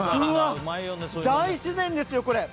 大自然ですよ、これ。